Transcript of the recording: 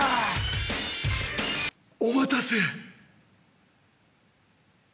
お待たせ。